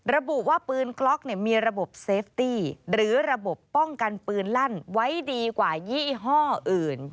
ระบุว่าปืนกล็อกมีระบบเซฟตี้หรือระบบป้องกันปืนลั่นไว้ดีกว่ายี่ห้ออื่น